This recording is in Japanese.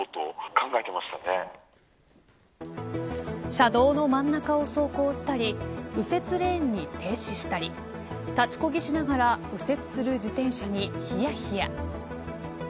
車道の真ん中を走行したり右折レーンに停止したり立ちこぎしながら右折する自転車にひやひや。